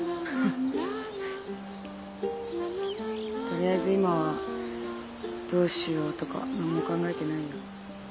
とりあえず今はどうしようとか何も考えてないよ。